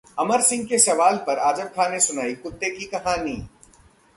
अमर सिंह के सवाल पर आजम खान ने सुनाई कुत्ते की कहानी